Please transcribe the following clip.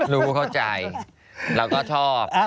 รู้เข้าใจเราก็ชอบ